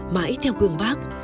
mãi theo gương bác